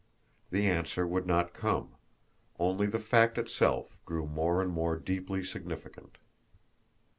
The answer would not come only the fact itself grew more and more deeply significant.